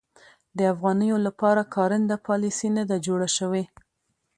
د افغانیو لپاره کارنده پالیسي نه ده جوړه شوې.